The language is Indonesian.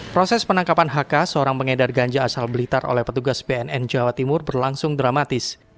proses penangkapan hk seorang pengedar ganja asal blitar oleh petugas bnn jawa timur berlangsung dramatis